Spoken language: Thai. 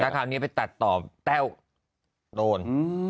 คราวนี้ไปตัดต่อแต้วโดน